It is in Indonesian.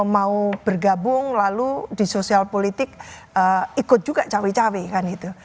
mau bergabung lalu di sosial politik ikut juga cawe cawe kan gitu